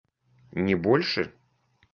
Не больше?